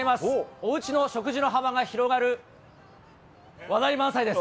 おうちの食事の幅が広がる話題満載です。